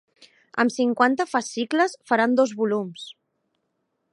Amb cinquanta fascicles faran dos volums.